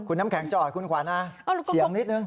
คุณน้ำแข็งจอดคุณขวัญนะเฉียงนิดนึง